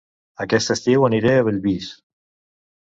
Aquest estiu aniré a Bellvís